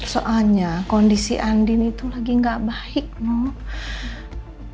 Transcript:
soalnya kondisi andin itu lagi nggak baik noh